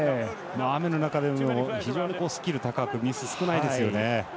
雨の中でも非常にスキル高くミスが少ないですよね。